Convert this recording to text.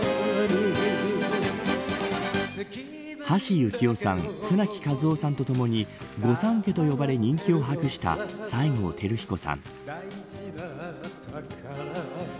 橋幸夫さん、舟木一夫さんとともに御三家と呼ばれ人気を博した西郷輝彦さん。